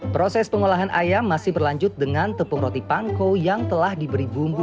proses pengolahan ayam masih berlanjut dengan tepung roti pangko yang telah diberi bumbu